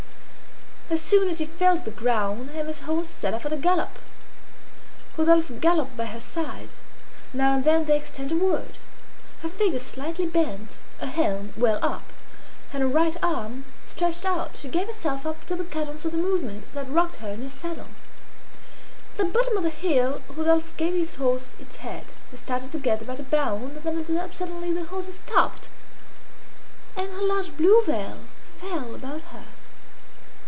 As soon as he felt the ground, Emma's horse set off at a gallop. Rodolphe galloped by her side. Now and then they exchanged a word. Her figure slightly bent, her hand well up, and her right arm stretched out, she gave herself up to the cadence of the movement that rocked her in her saddle. At the bottom of the hill Rodolphe gave his horse its head; they started together at a bound, then at the top suddenly the horses stopped, and her large blue veil fell about her.